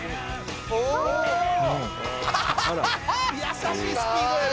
「優しいスピードやね」